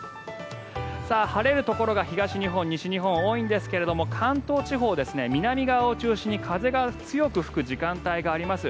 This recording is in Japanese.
晴れるところが東日本、西日本多いんですが関東地方南側を中心に風が強く吹く時間帯があります。